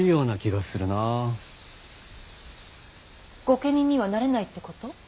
御家人にはなれないってこと？